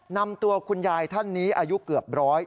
นำตัวคุณยายท่านนี้อายุเกือบร้อย